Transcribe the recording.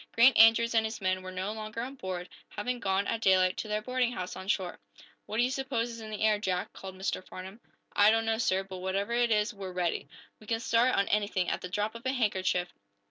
Grant Andrews and his men were no longer on board, having gone, at daylight, to their boarding house on shore. "What do you suppose is in the air, Jack?" called Mr. Farnum. "I don't know, sir. But whatever it is, we're ready. We can start, on anything, at the drop of a handkerchief.